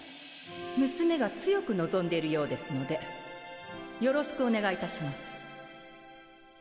娘が強く望んでいるようですのでよろしくお願いいたします。